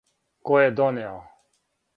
Ко је донео?